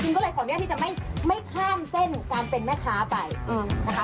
พิมพ์ก็เลยความเรียกว่าพี่จะไม่ข้ามเส้นการเป็นแม่ค้าไปนะคะ